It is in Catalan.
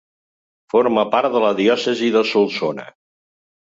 Forma part de la diòcesi de Solsona.